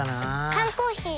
缶コーヒー